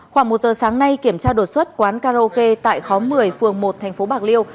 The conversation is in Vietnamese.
khoảng một giờ sáng nay kiểm tra đột xuất quán karaoke tại khóm một mươi phường một thành phố bạc liêu